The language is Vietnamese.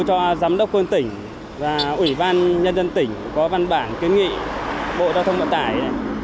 cho giám đốc hơn tỉnh và ủy ban nhân dân tỉnh có văn bản kiến nghị bộ giao thông vận tải